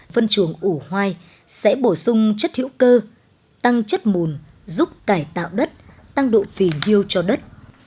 phân chuồng ủ hoai sẽ bổ sung chất hữu cơ tăng chất mùn giúp cải tạo đất tăng độ phì nhiêu cho đất